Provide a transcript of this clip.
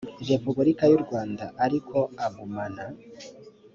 repubulika y u rwanda ariko agumana